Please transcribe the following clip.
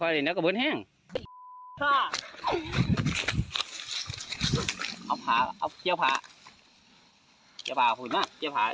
คอยเรียนคอยเรียนตามนี้นอกละบื้นแห้ง